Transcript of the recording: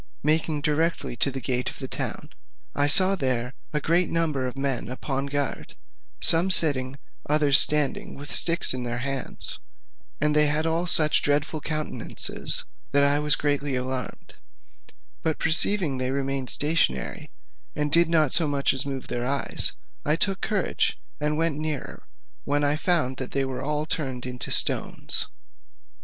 Making directly to the gate of the town, I saw there a great number of men upon guard, some sitting, and others standing with sticks in their hands; and they had all such dreadful countenances that I was greatly alarmed; but perceiving they remained stationary, and did not so much as move their eyes, I took courage, and went nearer, when I found they were all turned into stones.